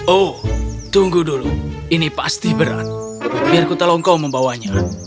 oh tunggu dulu ini pasti berat biar ku tolong kau membawanya